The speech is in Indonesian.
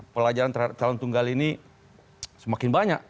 pelajaran calon tunggal ini semakin banyak